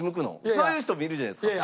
そういう人もいるじゃないですか。